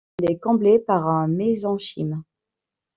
Elle est comblée par un mésenchyme.